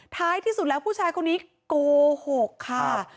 ท้ายที่สุดแล้วผู้ชายคนนี้โกหกค่ะ